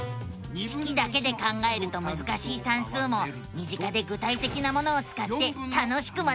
式だけで考えるとむずかしい算数も身近で具体的なものをつかって楽しく学べるのさ！